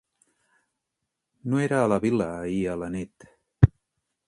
No era a la vil·la ahir a la nit.